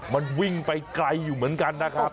มันวิ่งไปไกลอยู่เหมือนกันนะครับ